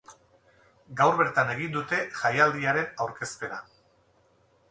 Gaur bertan egin dute jaialdiaren aurkezpena.